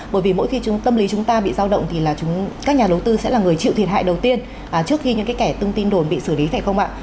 bởi vì mỗi khi tâm lý chúng ta bị giao động thì là các nhà đầu tư sẽ là người chịu thiệt hại đầu tiên trước khi những cái kẻ tung tin đồn bị xử lý phải không ạ